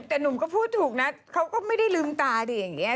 แต่หนุ่มก็พูดถูกนะเขาก็ไม่ได้ลืมตาดิอย่างนี้